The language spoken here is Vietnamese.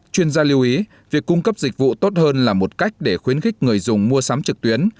chuyên gia lưu ý việc cung cấp dịch vụ tốt hơn là một cách để khuyến khích người dùng mua sắm trực tuyến